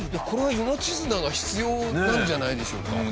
これは命綱が必要なんじゃないでしょうか。